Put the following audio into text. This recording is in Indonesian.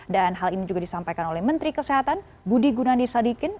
dan hal ini juga disampaikan oleh menteri kesehatan budi gunandi sadikin